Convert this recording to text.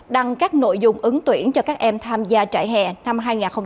đăng các nội dung ứng tuyển cho các em tham gia trại hè năm hai nghìn hai mươi bốn